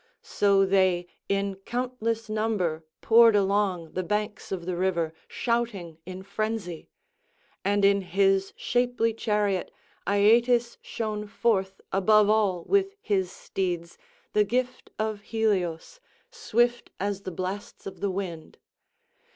—so they in countless number poured along the banks of the river shouting in frenzy; and in his shapely chariot Aeetes shone forth above all with his steeds, the gift of Helios, swift as the blasts of the wind.